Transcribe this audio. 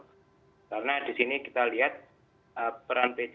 karena di sini kita lihat